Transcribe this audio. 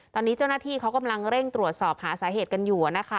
ตอนนี้เจ้าหน้าที่เขากำลังเร่งตรวจสอบหาสาเหตุกันอยู่นะคะ